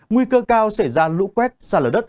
nguy cơ cao xảy ra lũ quét xa lở đất